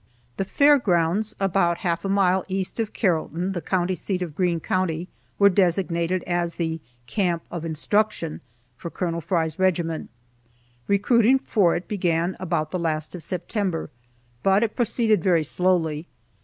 The Fair Grounds, about half a mile east of Carrollton, the county seat of Greene County, were designated as the "Camp of Instruction" for Col. Fry's regiment. Recruiting for it began about the last of September, but it proceeded very slowly.